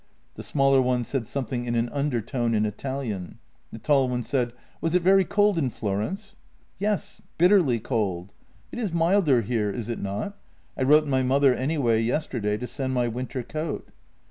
The smaller one said something in an un dertone in Italian. The tall one asked: " Was it very cold in Florence? "" Yes, bitterly cold. It is milder here, is it not? I wrote my mother anyway yesterday to send my winter coat."